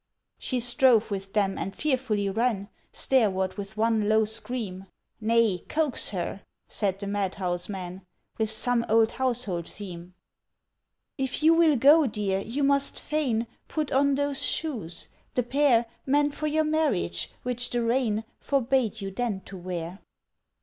She strove with them, and fearfully ran Stairward with one low scream: "Nay—coax her," said the madhouse man, "With some old household theme." "If you will go, dear, you must fain Put on those shoes—the pair Meant for your marriage, which the rain Forbade you then to wear."